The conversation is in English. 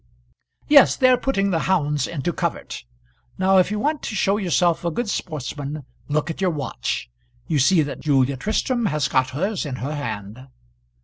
"Yes, they are putting the hounds into covert. Now if you want to show yourself a good sportsman, look at your watch. You see that Julia Tristram has got hers in her hand."